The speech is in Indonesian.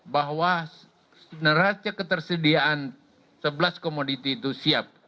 bahwa neraca ketersediaan sebelas komoditi itu siap